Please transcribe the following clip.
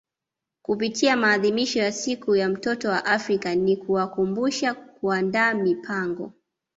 Kupitia maadhimisho ya siku ya mtoto wa Afrika ni kuwakumbusha kuandaa mipango